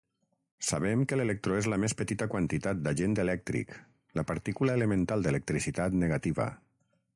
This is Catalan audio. Sabem que l'electró és la més petita quantitat d'agent elèctric, la partícula elemental d'electricitat negativa.